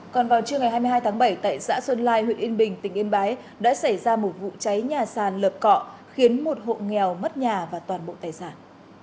còn vào trưa ngày hai mươi hai tháng bảy tại xã xuân lai huyện yên bình tỉnh yên bái đã xảy ra một vụ cháy nhà sàn lợp cọ khiến một hộ nghèo mất nhà và toàn bộ tài sản